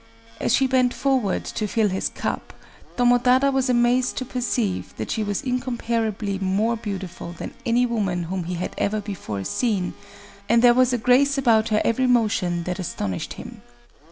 As she bent forward to fill his cup, Tomotada was amazed to perceive that she was incomparably more beautiful than any woman whom he had ever before seen; and there was a grace about her every motion that astonished him.